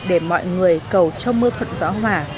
để mọi người cầu cho mưa thuận rõ hỏa